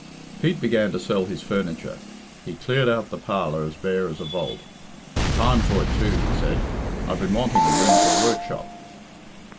Pete began to sell his furniture. He cleared out the parlour as bare as a vault. "Time for it, too," he said. "I've been wanting the room for a workshop."